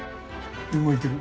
動いてる。